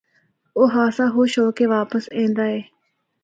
او خاصا خوش ہو کے واپس ایندا اے۔